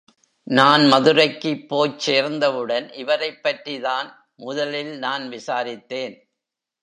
நான் மதுரைக்குப் போய்ச் சேர்ந்தவுடன் இவரைப்பற்றிதான் முதலில் நான் விசாரித்தேன்.